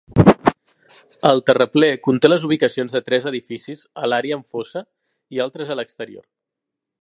El terraplè conté les ubicacions de tres edificis a l'àrea amb fossa i altres a l'exterior.